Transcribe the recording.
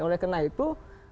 oleh karena itu